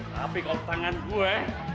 tapi kalau tangan gue